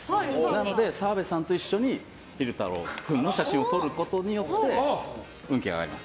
なので澤部さんと一緒に昼太郎君の写真を撮ることにより運気が上がります。